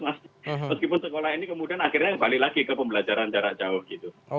meskipun sekolah ini kemudian akhirnya kembali lagi ke pembelajaran jarak jauh gitu